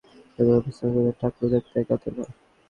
তোমাকে উপস্থাপন করেছে টাকলু দেখতে এক আঁতেলে!